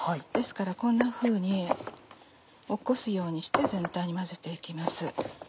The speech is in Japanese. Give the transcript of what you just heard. ですからこんなふうに起こすようにして全体に混ぜて行きます。